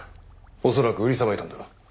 恐らく売りさばいたんだろ。